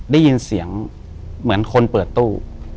ได้ยินเสียงเหมือนคนเปิดตู้